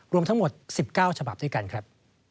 รวมทั้งหมด๑๙ฉบับด้วยกันครับ